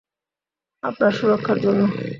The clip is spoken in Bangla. আপনার সুরক্ষার জন্য।